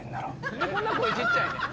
何でこんな声小っちゃいねん！